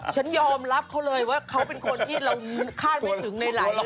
ฉันยอมรับเขาเลยว่าเขาเป็นคนที่เราคาดไม่ถึงในหลายร้อย